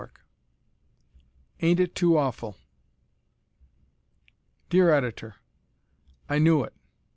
Y. Ain't It Too Awful! Dear Editor: I knew it.